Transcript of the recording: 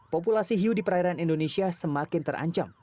populasi hiu di perairan indonesia semakin terancam